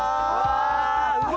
うわ！